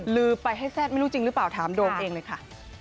ลืมไปให้แซ่บไม่รู้จริงหรือเปล่าถามโดมเองเลยค่ะ